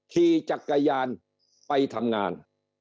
ขี่จักรยานไปทำงาน